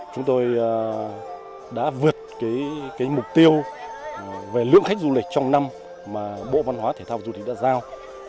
chúng tôi đã vượt mục tiêu về lượng khách du lịch trong năm mà bộ văn hóa thể thao và du lịch đã giao